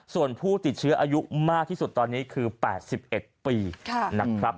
ส่วนผู้ติดเชื้ออายุมากที่สุดตอนนี้คือ๘๑ปีนะครับ